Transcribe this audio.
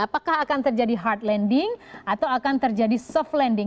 apakah akan terjadi hard landing atau akan terjadi soft landing